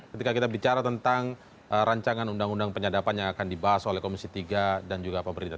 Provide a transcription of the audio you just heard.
ketika kita bicara tentang rancangan undang undang penyadapan yang akan dibahas oleh komisi tiga dan juga pemerintah